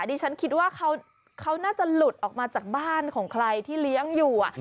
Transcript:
ดิฉันคิดว่าเขาน่าจะหลุดออกมาจากบ้านของใครที่เลี้ยงอยู่